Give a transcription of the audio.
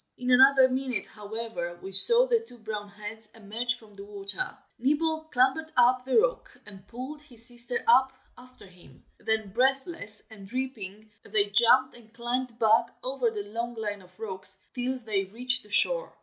In another minute, however, we saw the two brown heads emerge from the water; Nibble clambered up the rock, and pulled his sister up after him; then breathless and dripping, they jumped and climbed back over the long line of rocks, till they reached the shore.